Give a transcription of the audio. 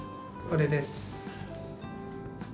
これです。